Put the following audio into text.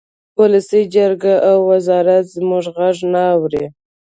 ولسي جرګه او وزارت زموږ غږ نه اوري